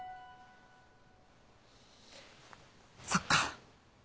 そっか。